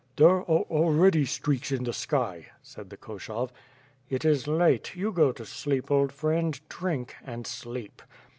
"There are already streaks in the sky," said the Koshov. "It is late; you go to sleep old friend; drink, and sleep!"